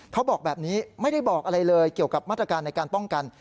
เขาบอกแบบนี้ไม่ได้บอกอะไรเลยเกี่ยวกับมาตรการในการป้องกัน